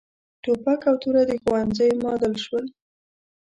ټوپک او توره د ښوونځیو معادل شول.